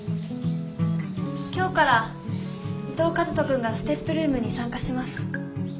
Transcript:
今日から伊藤和斗君がＳＴＥＰルームに参加します。